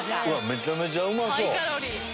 めちゃめちゃうまそう。